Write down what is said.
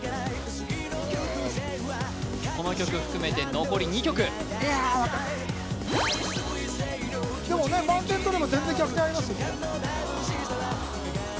この曲含めて残り２曲でもね満点とれば全然逆転ありますよ